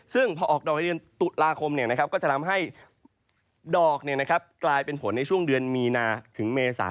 ซึ่งพอออกดอกในเดือนตุลาคมก็จะทำให้ดอกกลายเป็นผลในช่วงเดือนมีนาถึงเมษา